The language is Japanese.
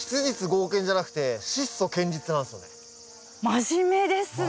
真面目ですね。